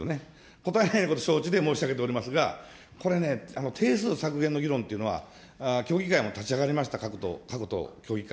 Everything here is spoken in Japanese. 答えられないことを承知で申し上げておりますが、これね、定数削減の議論というのは、協議会も立ち上がりました、各党、協議会。